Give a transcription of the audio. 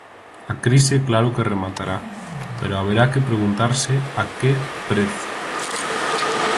A crise claro que rematará, pero haberá que preguntarse a que prezo.